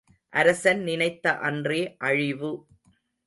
அரசன் நினைத்த அன்றே அழிவு.